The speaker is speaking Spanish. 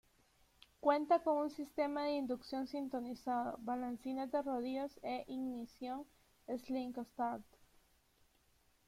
Cuenta con un sistema de inducción sintonizado, balancines de rodillos e ignición Slick Start.